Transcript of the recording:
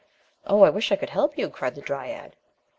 "Oh, I wish I could help you," cried the dryad.